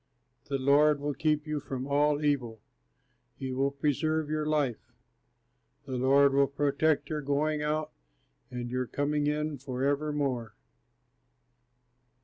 The Lord will keep you from all evil; he will preserve your life; The Lord will protect your going out and your coming in forevermore!